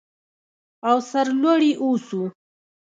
او سرلوړي اوسو.